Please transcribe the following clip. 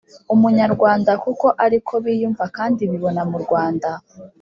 Umunyarwanda kuko ariko biyumva kandi bibona mu Rwanda